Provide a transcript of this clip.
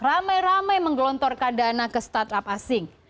ramai ramai menggelontorkan dana ke startup asing